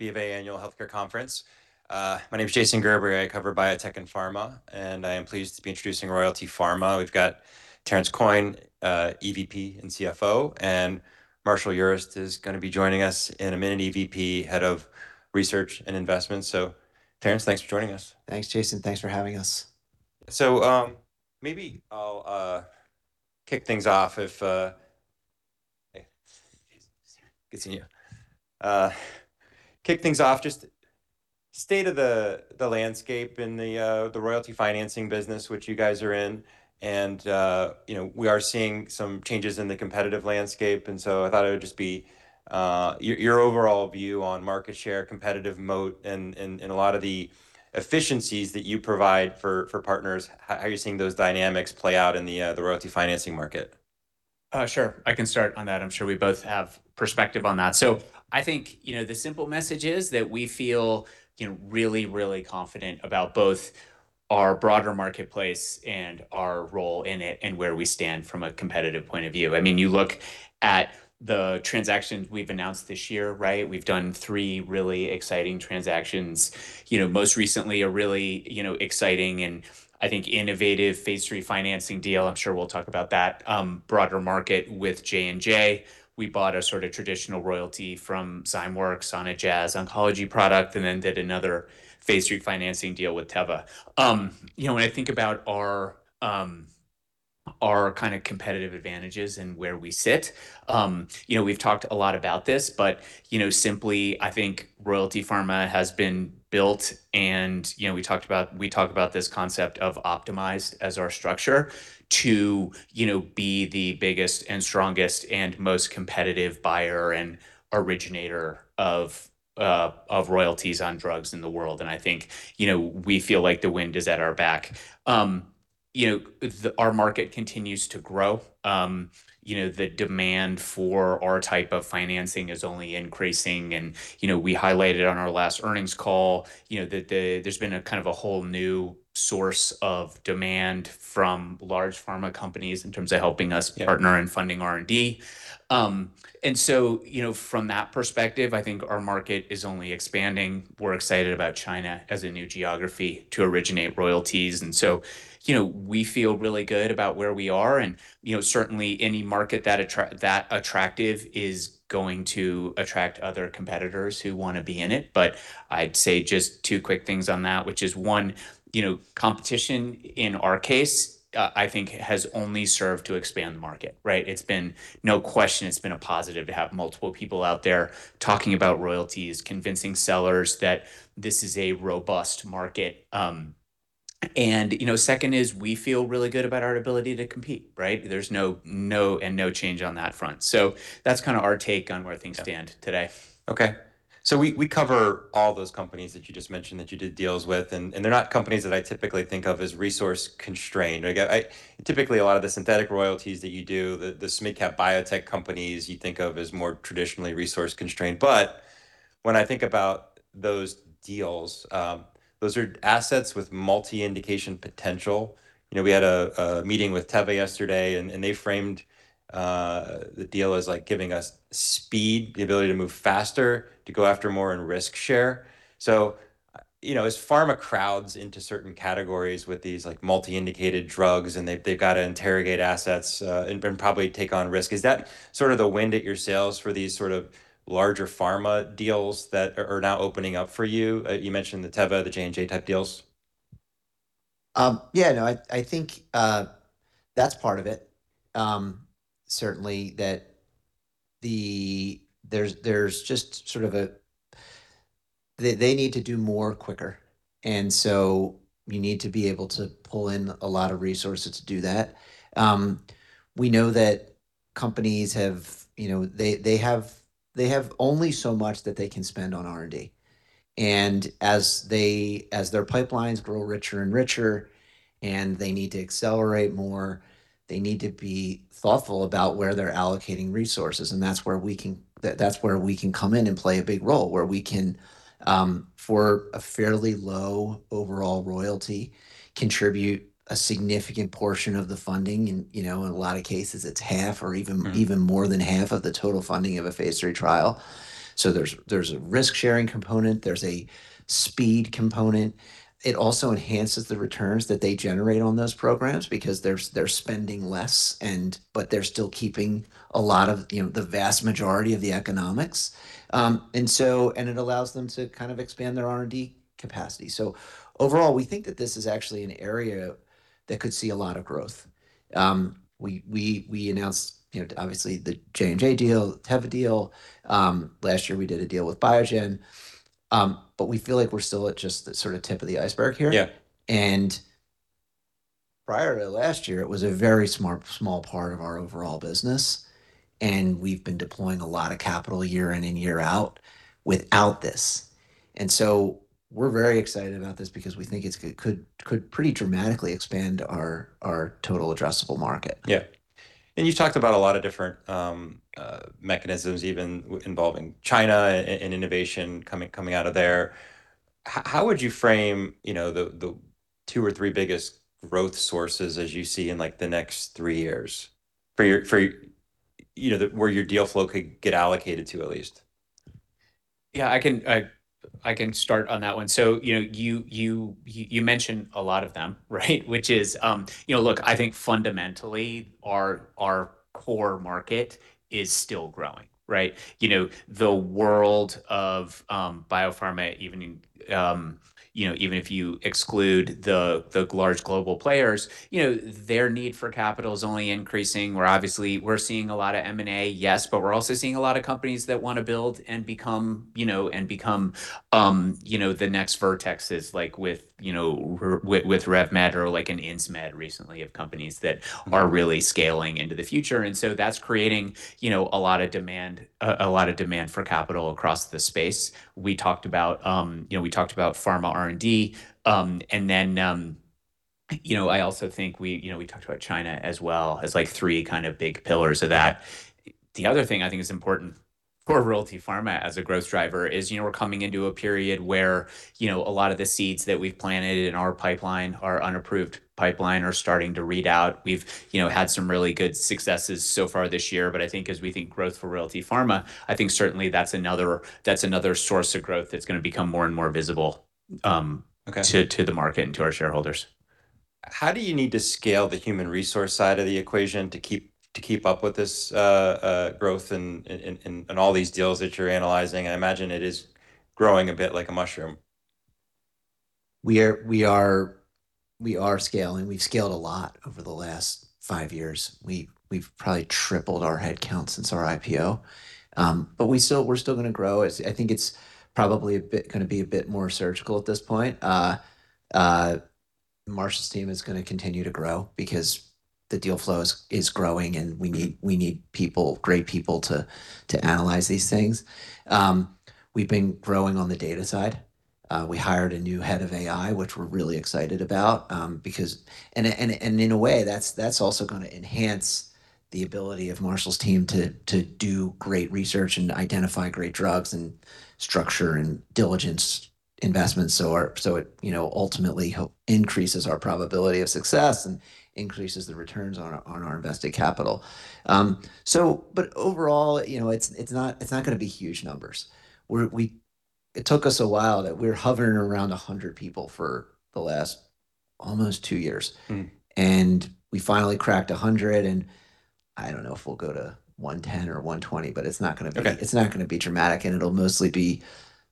BofA Annual Healthcare Conference. My name's Jason Gerberry. I cover biotech and pharma, and I am pleased to be introducing Royalty Pharma. We've got Terrance Coyne, EVP and CFO, and Marshall Urist is gonna be joining us in a minute, EVP, Head of Research and Investments. Terrance, thanks for joining us. Thanks, Jason. Thanks for having us. Maybe I'll kick things off if. Hey. Jason's here. Continue. Kick things off, just state of the landscape in the royalty financing business, which you guys are in. You know, we are seeing some changes in the competitive landscape. I thought it would just be your overall view on market share, competitive moat, and a lot of the efficiencies that you provide for partners. How are you seeing those dynamics play out in the royalty financing market? Sure. I can start on that. I'm sure we both have perspective on that. I think, you know, the simple message is that we feel, you know, really, really confident about both our broader marketplace and our role in it and where we stand from a competitive point of view. I mean, you look at the transactions we've announced this year, right? We've done three really exciting transactions. You know, most recently, a really, you know, exciting and, I think, innovative phase III financing deal, I'm sure we'll talk about that, broader market with J&J. We bought a sort of traditional royalty from Zymeworks on a Jazz oncology product and then did another phase III financing deal with Teva. you know, when I think about our kind of competitive advantages and where we sit, you know, we've talked a lot about this, but, you know, simply, I think Royalty Pharma has been built and, you know, we talk about this concept of optimized as our structure to, you know, be the biggest and strongest and most competitive buyer and originator of royalties on drugs in the world. I think, you know, we feel like the wind is at our back. you know, our market continues to grow. you know, the demand for our type of financing is only increasing and, you know, we highlighted on our last earnings call, you know, that there's been a kind of a whole new source of demand from large pharma companies in terms of helping us- Yeah partner in funding R&D. You know, from that perspective, I think our market is only expanding. We're excited about China as a new geography to originate royalties. You know, we feel really good about where we are, and, you know, certainly any market that attractive is going to attract other competitors who wanna be in it. I'd say just two quick things on that, which is, one, you know, competition in our case, I think has only served to expand the market, right? It's been, no question, it's been a positive to have multiple people out there talking about royalties, convincing sellers that this is a robust market. You know, second is we feel really good about our ability to compete, right? There's no change on that front. That's kinda our take on where things stand today. We cover all those companies that you just mentioned that you did deals with, and they're not companies that I typically think of as resource constrained. I Typically, a lot of the synthetic royalties that you do, the SMID-Cap Biotech companies you think of as more traditionally resource constrained. When I think about those deals, those are assets with multi-indication potential. You know, we had a meeting with Teva yesterday and they framed the deal as, like, giving us speed, the ability to move faster, to go after more and risk share. you know, as pharma crowds into certain categories with these, like, multi-indicated drugs and they've gotta interrogate assets, and probably take on risk, is that sort of the wind at your sails for these sort of larger pharma deals that are now opening up for you? You mentioned the Teva, the J&J type deals. Yeah, no, I think that's part of it. Certainly there's just sort of a They need to do more quicker. You need to be able to pull in a lot of resources to do that. We know that companies have, you know, they have only so much that they can spend on R&D. As their pipelines grow richer and richer and they need to accelerate more, they need to be thoughtful about where they're allocating resources, and that's where we can come in and play a big role, where we can, for a fairly low overall royalty, contribute a significant portion of the funding and, you know, in a lot of cases it's half or even- even more than half of the total funding of a phase III trial. There's a risk sharing component, there's a speed component. It also enhances the returns that they generate on those programs because they're spending less and, but they're still keeping a lot of, you know, the vast majority of the economics. It allows them to kind of expand their R&D capacity. Overall, we think that this is actually an area that could see a lot of growth. We announced, you know, obviously the J&J deal, Teva deal. Last year we did a deal with Biogen. We feel like we're still at just the sort of tip of the iceberg here. Yeah. Prior to last year, it was a very small part of our overall business, and we've been deploying a lot of capital year in and year out without this. We're very excited about this because we think it could pretty dramatically expand our total addressable market. Yeah. You've talked about a lot of different mechanisms even involving China and innovation coming out of there. How would you frame, you know, the two or three biggest growth sources as you see in like the next three years for your, you know, where your deal flow could get allocated to at least? Yeah, I can start on that one. You know, you mention a lot of them, right? Which is, you know, look, I think fundamentally our core market is still growing, right? You know, the world of biopharma even in, you know, even if you exclude the large global players, you know, their need for capital is only increasing, where obviously we're seeing a lot of M&A, yes, but we're also seeing a lot of companies that want to build and become, you know, and become, you know, the next Vertex is like with, you know, with RevMed or like an Insmed recently of companies that are really scaling into the future. That's creating, you know, a lot of demand, a lot of demand for capital across the space. We talked about, you know, we talked about pharma R&D. You know, I also think we, you know, we talked about China as well as like three kind of big pillars of that. Yeah. The other thing I think is important for Royalty Pharma as a growth driver is, you know, we're coming into a period where, you know, a lot of the seeds that we've planted in our pipeline, our unapproved pipeline are starting to read out. We've, you know, had some really good successes so far this year. I think as we think growth for Royalty Pharma, I think certainly that's another source of growth that's gonna become more and more visible. Okay to the market and to our shareholders. How do you need to scale the human resource side of the equation to keep up with this growth and all these deals that you're analyzing? I imagine it is growing a bit like a mushroom. We are scaling. We've scaled a lot over the last five years. We've probably tripled our head count since our IPO. We're still gonna grow. I think it's probably a bit gonna be a bit more surgical at this point. Marshall's team is gonna continue to grow because the deal flow is growing, and we need people, great people to analyze these things. We've been growing on the data side. We hired a new head of AI, which we're really excited about, because in a way, that's also gonna enhance the ability of Marshall's team to do great research and identify great drugs and structure and diligence investments, so it, you know, ultimately help increases our probability of success and increases the returns on our invested capital. Overall, you know, it's not gonna be huge numbers. It took us a while that we're hovering around 100 people for the last almost two years. We finally cracked 100, and I don't know if we'll go to 110 or 120, but it's not gonna. Okay it's not gonna be dramatic, and it'll mostly be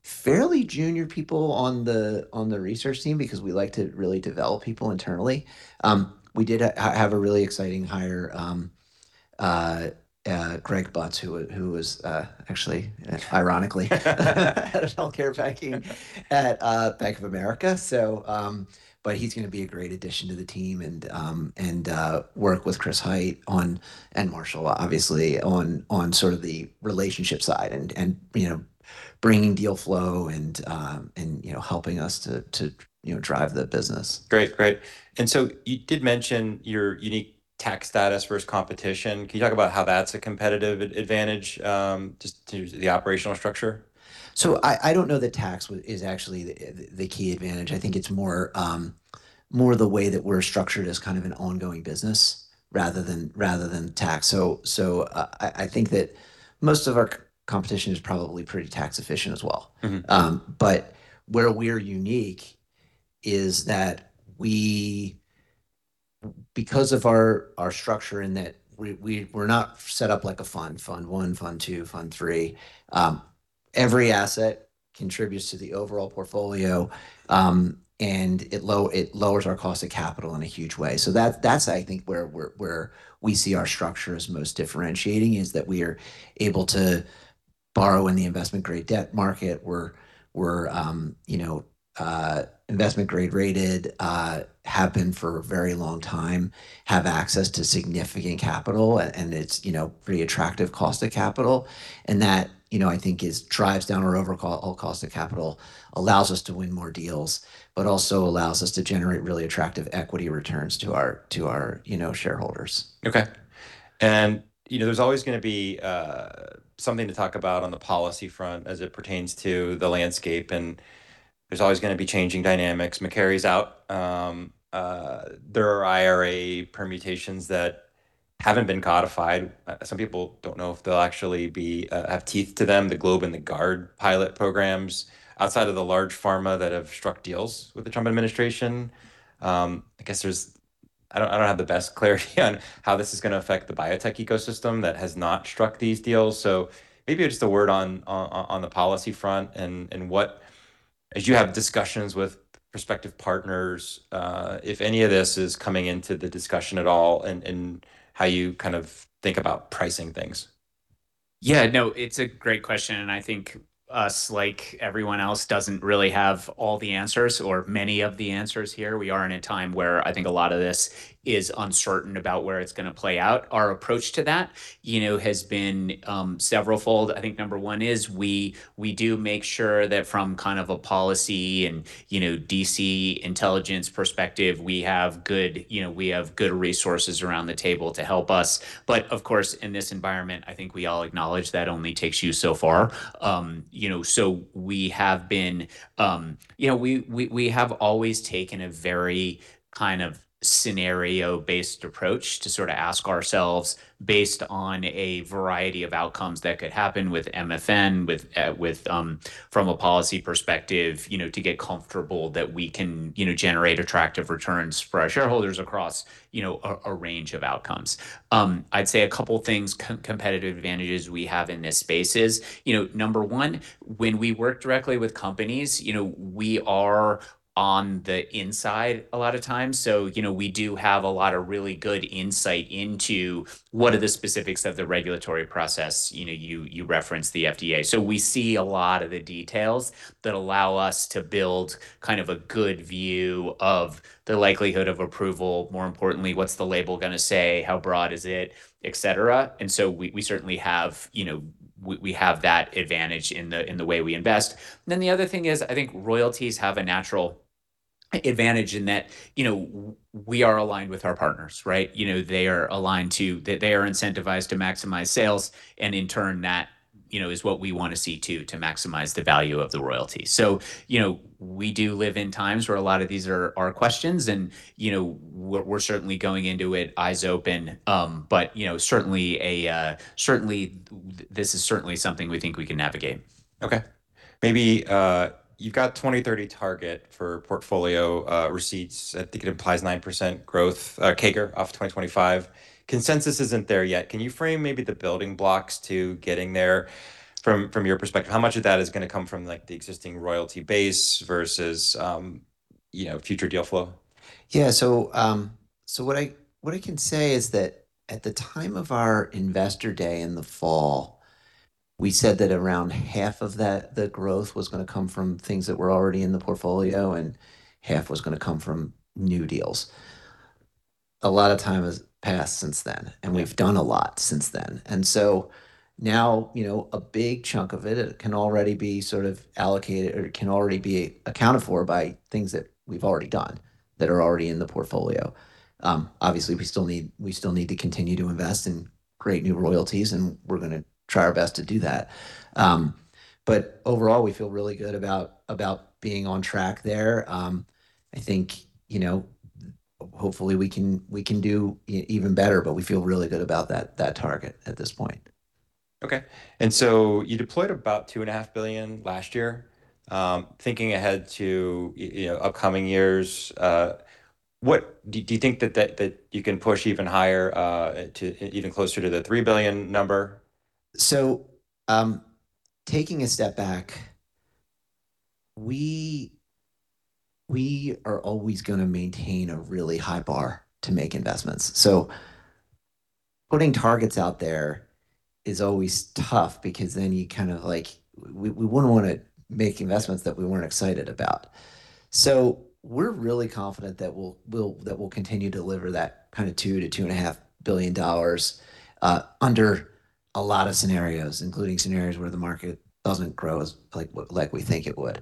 fairly junior people on the, on the research team because we like to really develop people internally. We did have a really exciting hire, Greg Butts, who was actually, ironically head of healthcare banking at Bank of America. But he's gonna be a great addition to the team and work with Christopher Hite on, and Marshall obviously, on sort of the relationship side and, you know, bringing deal flow and, you know, helping us to, you know, drive the business. Great. Great. You did mention your unique tax status versus competition. Can you talk about how that's a competitive advantage just to the operational structure? I don't know that tax is actually the key advantage. I think it's more, more the way that we're structured as kind of an ongoing business rather than tax. I think that most of our competition is probably pretty tax efficient as well. Where we're unique is that we because of our structure in that we're not set up like a fund one, fund two, fund three. Every asset contributes to the overall portfolio, and it lowers our cost of capital in a huge way. That's I think where we see our structure as most differentiating, is that we are able to borrow in the investment grade debt market. We're investment grade rated, have been for a very long time, have access to significant capital and it's, you know, pretty attractive cost of capital. That, you know, I think is drives down our overall cost of capital, allows us to win more deals, but also allows us to generate really attractive equity returns to our, you know, shareholders. Okay. You know, there's always gonna be something to talk about on the policy front as it pertains to the landscape, and there's always gonna be changing dynamics. Marty Makary's out. There are IRA permutations that haven't been codified. Some people don't know if they'll actually be have teeth to them, the Globe and the Guard pilot programs. Outside of the large pharma that have struck deals with the Trump administration, I guess there's I don't have the best clarity on how this is gonna affect the biotech ecosystem that has not struck these deals. Maybe just a word on the policy front and what, as you have discussions with prospective partners, if any of this is coming into the discussion at all and how you kind of think about pricing things. Yeah, no, it's a great question, and I think us, like everyone else, doesn't really have all the answers or many of the answers here. We are in a time where I think a lot of this is uncertain about where it's gonna play out. Our approach to that, you know, has been several-fold. I think number one is we do make sure that from kind of a policy and, you know, D.C. intelligence perspective, we have good, you know, we have good resources around the table to help us. Of course, in this environment, I think we all acknowledge that only takes you so far. You know, we have always taken a very kind of scenario-based approach to sort of ask ourselves, based on a variety of outcomes that could happen with MFN, with, from a policy perspective, you know, to get comfortable that we can, you know, generate attractive returns for our shareholders across, you know, a range of outcomes. I'd say a couple things, competitive advantages we have in this space is, you know, number one, when we work directly with companies, you know, we are on the inside a lot of times. You know, we do have a lot of really good insight into what are the specifics of the regulatory process. You know, you referenced the FDA. We see a lot of the details that allow us to build kind of a good view of the likelihood of approval, more importantly, what's the label gonna say, how broad is it, et cetera. We certainly have, you know, we have that advantage in the way we invest. Then the other thing is, I think royalties have a natural advantage in that, you know, we are aligned with our partners, right? You know, they are aligned to They are incentivized to maximize sales, and in turn that, you know, is what we wanna see too to maximize the value of the royalty. We do live in times where a lot of these are questions and, you know, we're certainly going into it eyes open. You know, certainly this is certainly something we think we can navigate. Okay. Maybe you've got 2030 target for portfolio receipts. I think it implies 9% growth CAGR off 2025. Consensus isn't there yet. Can you frame maybe the building blocks to getting there from your perspective? How much of that is gonna come from, like, the existing royalty base versus, you know, future deal flow? Yeah. What I can say is that at the time of our investor day in the fall, we said that around half of that, the growth was gonna come from things that were already in the portfolio, and half was gonna come from new deals. A lot of time has passed since then, and we've done a lot since then. Now, you know, a big chunk of it can already be sort of allocated or it can already be accounted for by things that we've already done, that are already in the portfolio. Obviously we still need to continue to invest and create new royalties, and we're gonna try our best to do that. Overall we feel really good about being on track there. I think, you know, hopefully we can do even better, but we feel really good about that target at this point. Okay. You deployed about $2.5 billion last year. Thinking ahead to you know, upcoming years, what do you think that you can push even higher, to even closer to the $3 billion number? Taking a step back, we are always gonna maintain a really high bar to make investments. Putting targets out there is always tough because then you kind of We wouldn't wanna make investments that we weren't excited about. We're really confident that we'll continue to deliver that kind of $2 billion-$2.5 billion under a lot of scenarios, including scenarios where the market doesn't grow as like we think it would.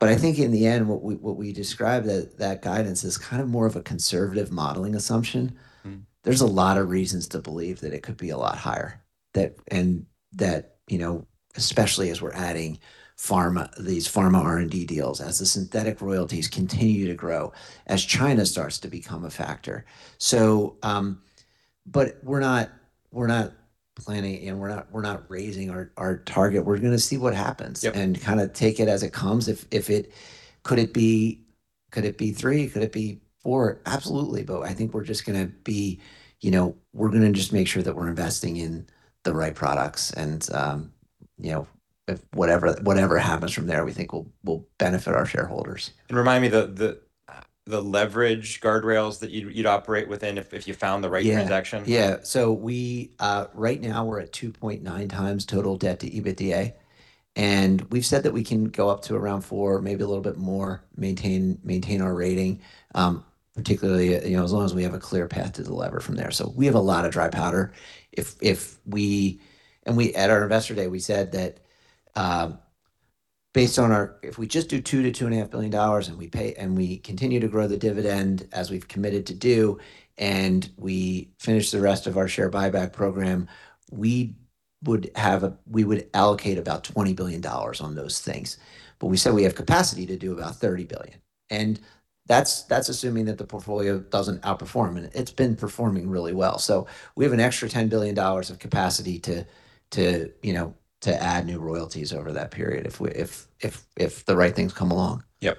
I think in the end, what we describe that guidance is kind of more of a conservative modeling assumption. There's a lot of reasons to believe that it could be a lot higher. You know, especially as we're adding pharma, these pharma R&D deals, as the synthetic royalties continue to grow, as China starts to become a factor. We're not planning and we're not raising our target. We're going to see what happens. Yep Kinda take it as it comes. Could it be three? Could it be four? Absolutely. I think we're just gonna be, you know, we're gonna just make sure that we're investing in the right products and, you know, if whatever happens from there, we think will benefit our shareholders. Remind me the leverage guardrails that you'd operate within if you found the right transaction? Right now we're at 2.9x total debt to EBITDA, and we've said that we can go up to around four, maybe a little bit more, maintain our rating, particularly, you know, as long as we have a clear path to delever from there. We have a lot of dry powder. At our Investor Day, we said that, if we just do $2 billion-$2.5 billion and we pay, and we continue to grow the dividend as we've committed to do, and we finish the rest of our share buyback program, we would allocate about $20 billion on those things. We said we have capacity to do about $30 billion, and that's assuming that the portfolio doesn't outperform, and it's been performing really well. We have an extra $10 billion of capacity to, you know, to add new royalties over that period if the right things come along. Yep.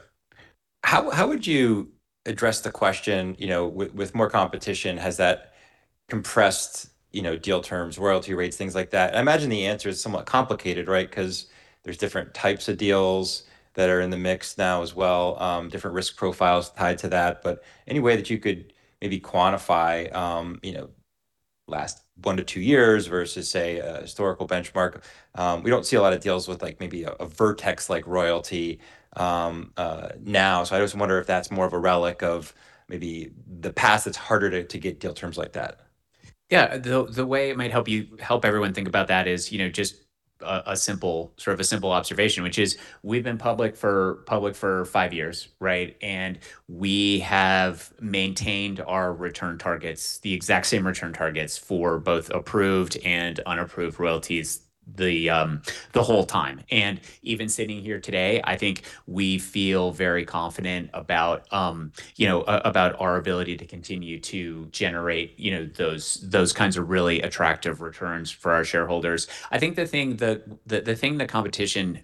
How would you address the question, you know, with more competition, has that compressed, you know, deal terms, royalty rates, things like that? I imagine the answer is somewhat complicated, right? 'Cause there's different types of deals that are in the mix now as well, different risk profiles tied to that. Any way that you could maybe quantify, you know, last one to two years versus, say, a historical benchmark. We don't see a lot of deals with, like, maybe a Vertex-like royalty now, so I just wonder if that's more of a relic of maybe the past that's harder to get deal terms like that. Yeah. The way it might help you help everyone think about that is, you know, just a simple, sort of a simple observation, which is we've been public for five years, right? We have maintained our return targets, the exact same return targets for both approved and unapproved royalties the whole time. Even sitting here today, I think we feel very confident about, you know, about our ability to continue to generate, you know, those kinds of really attractive returns for our shareholders. I think the thing that competition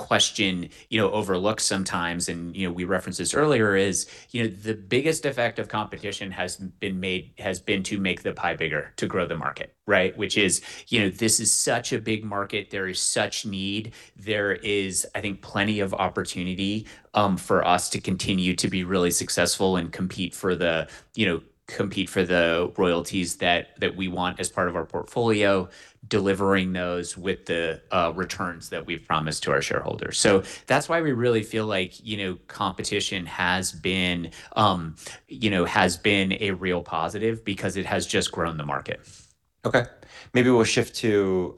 question, you know, overlooks sometimes and, you know, we referenced this earlier is, you know, the biggest effect of competition has been to make the pie bigger, to grow the market, right? Which is, you know, this is such a big market, there is such need. There is, I think, plenty of opportunity for us to continue to be really successful and compete for the royalties that we want as part of our portfolio, delivering those with the returns that we've promised to our shareholders. That's why we really feel like, you know, competition, you know, has been a real positive because it has just grown the market. Okay. Maybe we'll shift to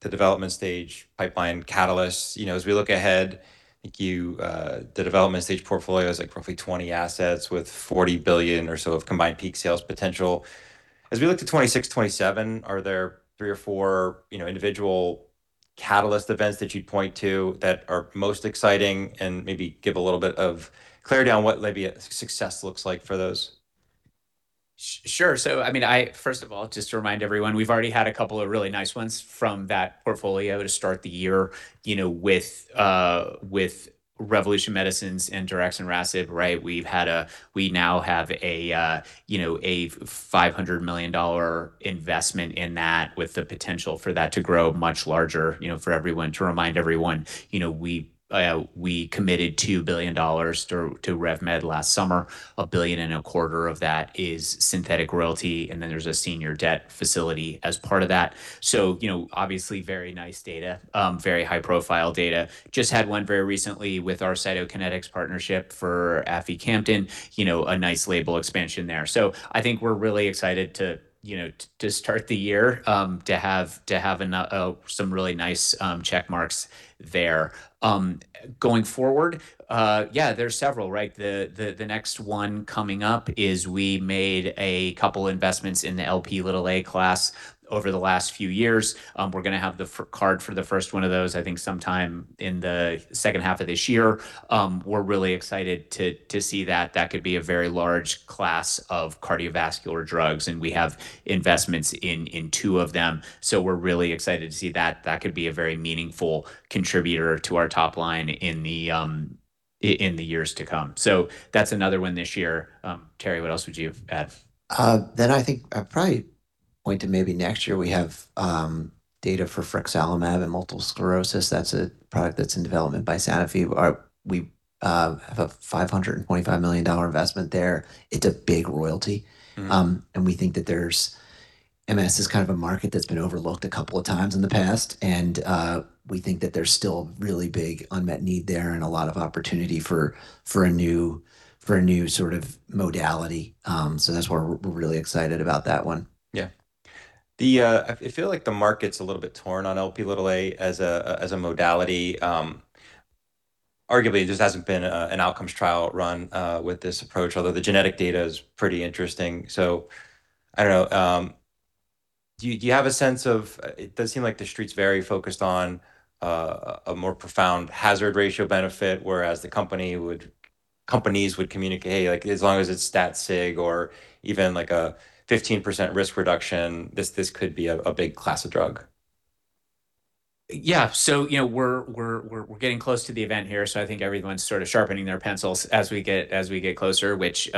the development stage pipeline catalysts. You know, as we look ahead, I think you, the development stage portfolio is, like, roughly 20 assets with $40 billion or so of combined peak sales potential. As we look to 2026, 2027, are there three or four, you know, individual catalyst events that you'd point to that are most exciting and maybe give a little bit of clarity on what maybe success looks like for those? Sure. I mean, first of all, just to remind everyone, we've already had a couple of really nice ones from that portfolio to start the year, you know, with Revolution Medicines and daraxonrasib and Rasib, right? We now have a, you know, a $500 million investment in that with the potential for that to grow much larger, you know, for everyone, to remind everyone. You know, we committed $2 billion to RevMed last summer. A billion and a quarter of that is synthetic royalty, and then there's a senior debt facility as part of that. You know, obviously very nice data, very high-profile data. Just had one very recently with our Cytokinetics partnership for aficamten, you know, a nice label expansion there. I think we're really excited to, you know, to start the year, to have some really nice check marks there. Going forward, there's several, right? The next one coming up is we made a couple investments in the Lp(a) class over the last few years. We're gonna have the CVOT for the 1st one of those, I think, sometime in the 2nd half of this year. We're really excited to see that. That could be a very large class of cardiovascular drugs, and we have investments in two of them. We're really excited to see that. That could be a very meaningful contributor to our top line in the years to come. That's another one this year. Terry, what else would you have add? I think I'd probably point to maybe next year we have data for frexalimab and multiple sclerosis. That's a product that's in development by Sanofi. We have a $525 million investment there. It's a big royalty. We think that there's MS is kind of a market that's been overlooked a couple of times in the past and we think that there's still really big unmet need there and a lot of opportunity for a new, for a new sort of modality. That's why we're really excited about that one. The I feel like the market's a little bit torn on Lp(a) as a, as a modality. Arguably there just hasn't been a, an outcomes trial run with this approach, although the genetic data is pretty interesting. I don't know. Do you have a sense of It does seem like the street's very focused on a more profound hazard ratio benefit, whereas companies would communicate, like, as long as it's stat sig or even, like, a 15% risk reduction, this could be a big class of drug. You know, we're getting close to the event here, I think everyone's sort of sharpening their pencils as we get closer, which,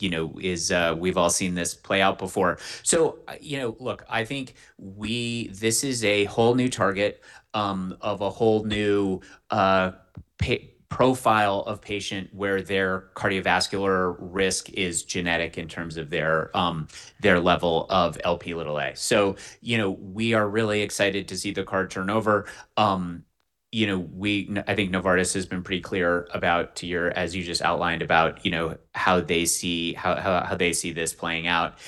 you know, is We've all seen this play out before. You know, look, I think This is a whole new target of a whole new profile of patient where their cardiovascular risk is genetic in terms of their level of Lp(a). You know, we are really excited to see the CVOT turn over. You know, I think Novartis has been pretty clear about to your, as you just outlined, about, you know, how they see this playing out.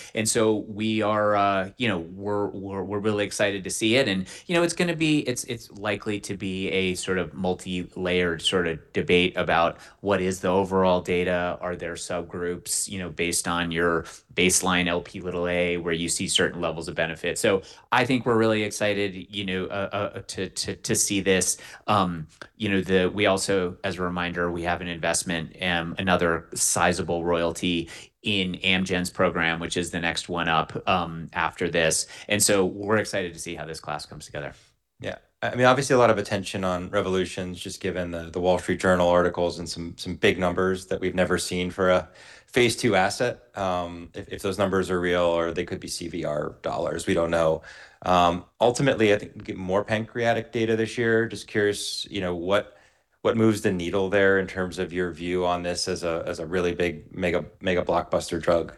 We are, you know, we're really excited to see it and, you know, it's gonna be, it's likely to be a sort of multi-layered sort of debate about what is the overall data. Are there subgroups, you know, based on your baseline Lp where you see certain levels of benefit? I think we're really excited, you know, to see this. You know, we also, as a reminder, we have an investment, another sizable royalty in Amgen's program, which is the next one up, after this. We're excited to see how this class comes together. I mean, obviously a lot of attention on Revolution just given the, The Wall Street Journal articles and some big numbers that we've never seen for a phase II asset. If those numbers are real or they could be CVR dollars, we don't know. Ultimately, I think we get more pancreatic data this year. Just curious, you know, What moves the needle there in terms of your view on this as a really big mega blockbuster drug?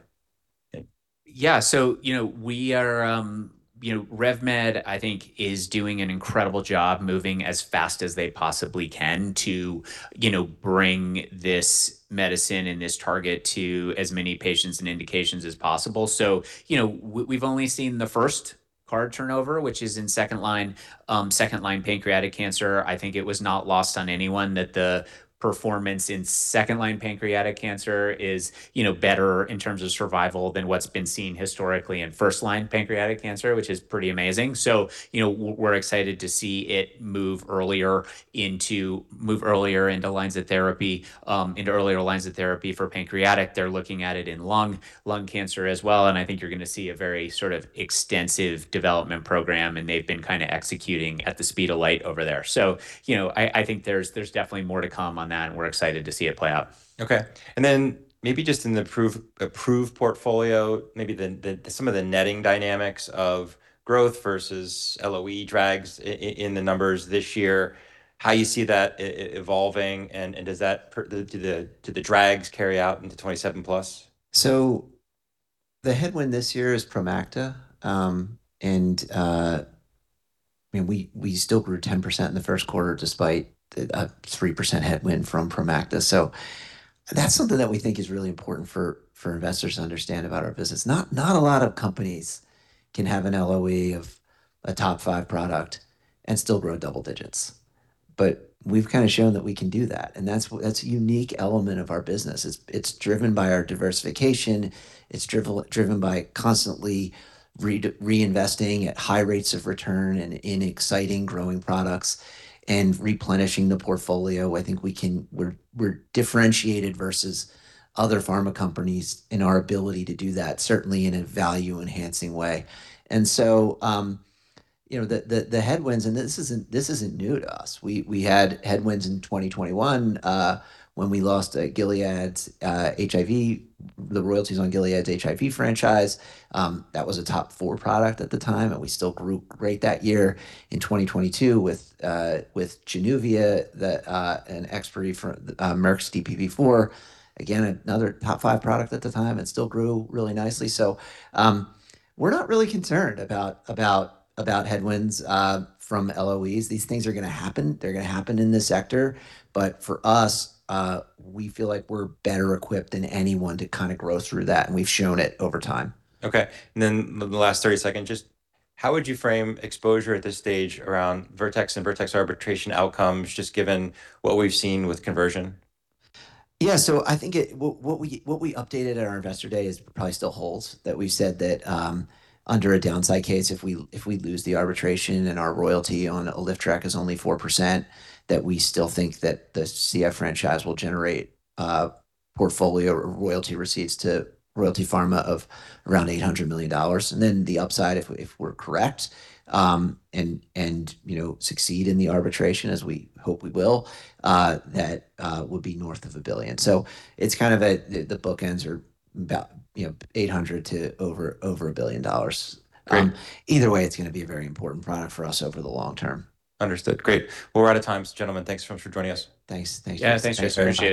Yeah. You know, RevMed, I think, is doing an incredible job moving as fast as they possibly can to, you know, bring this medicine and this target to as many patients and indications as possible. You know, we've only seen the first CVOT turnover, which is in second-line, second-line pancreatic cancer. I think it was not lost on anyone that the performance in second-line pancreatic cancer is, you know, better in terms of survival than what's been seen historically in first-line pancreatic cancer, which is pretty amazing. You know, we're excited to see it move earlier into lines of therapy, into earlier lines of therapy for pancreatic. They're looking at it in lung cancer as well, and I think you're gonna see a very sort of extensive development program, and they've been kinda executing at the speed of light over there. You know, I think there's definitely more to come on that, and we're excited to see it play out. Okay. Then maybe just in the approved portfolio, maybe the, some of the netting dynamics of growth versus LOE drags in the numbers this year, how you see that evolving and does that Do the drags carry out into 2027 plus? The headwind this year is Promacta, we still grew 10% in the first quarter despite a 3% headwind from Promacta. That's something that we think is really important for investors to understand about our business. Not a lot of companies can have an LOE of a top five product and still grow double digits, but we've kinda shown that we can do that, and that's a unique element of our business. It's driven by our diversification, it's driven by constantly reinvesting at high rates of return and in exciting growing products and replenishing the portfolio. I think we're differentiated versus other pharma companies in our ability to do that, certainly in a value-enhancing way. The headwinds, and this isn't new to us. We had headwinds in 2021, when we lost Gilead's HIV, the royalties on Gilead's HIV franchise. That was a top four product at the time, and we still grew great that year. In 2022 with Januvia, and ex-Merck's DPP-4, again, another top five product at the time, it still grew really nicely. We're not really concerned about headwinds from LOEs. These things are gonna happen. They're gonna happen in this sector, but for us, we feel like we're better equipped than anyone to kinda grow through that, and we've shown it over time. Okay. The last 30 second, just how would you frame exposure at this stage around Vertex and Vertex arbitration outcomes, just given what we've seen with conversion? Yeah. I think what we updated at our Investor Day is probably still holds, that we said that, under a downside case, if we lose the arbitration and our royalty on ALYFTREK is only 4%, that we still think that the CF franchise will generate a portfolio or royalty receipts to Royalty Pharma of around $800 million. The upside, if we're correct, and, you know, succeed in the arbitration as we hope we will, that would be north of $1 billion. It's kind of the bookends are about, you know, $800 million to over $1 billion. Great. Either way, it's gonna be a very important product for us over the long term. Understood. Great. We're out of time. Gentlemen, thanks very much for joining us. Thanks. Thank you. Yeah. Thanks for having us.